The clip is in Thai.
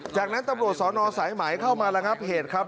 จากนั้นตำรวจสอนอสายใหม่เข้ามาละครับ